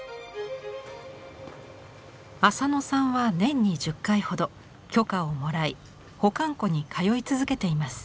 浅野さんは年に１０回ほど許可をもらい保管庫に通い続けています。